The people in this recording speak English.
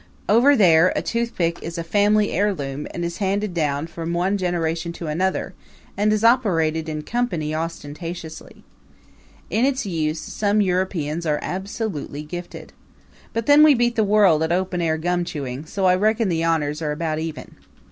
Over there, a toothpick is a family heirloom and is handed down from one generation to another, and is operated in company ostentatiously. In its use some Europeans are absolutely gifted. But then we beat the world at open air gum chewing so I reckon the honors are about even.